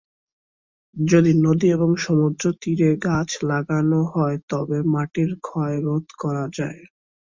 যদি নদী এবং সমুদ্র তীরে গাছ লাগানো হয় তবে মাটির ক্ষয় রোধ করা যায়।